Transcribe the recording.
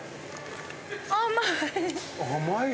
甘い！